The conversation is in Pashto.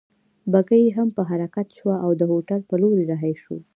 بګۍ هم په حرکت شوه او د هوټل په لور رهي شوو.